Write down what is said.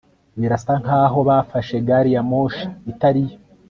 Birasa nkaho bafashe gari ya moshi itari yo